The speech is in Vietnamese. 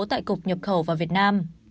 tại cục nhập khẩu vào việt nam